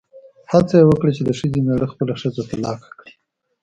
هڅه یې وکړه چې د ښځې مېړه خپله ښځه طلاقه کړي.